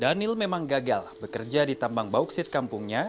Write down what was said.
daniel memang gagal bekerja di tambang bauksit kampungnya